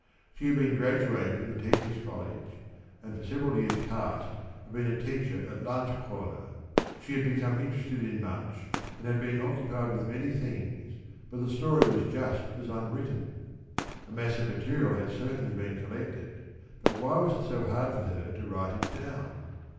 She had been graduated from the Teachers' College and for several years past had been a teacher at Landskrona. She had become interested in much and had been occupied with many things, but the story was just as unwritten. A mass of material had certainly been collected, but why was it so hard for her to write it down?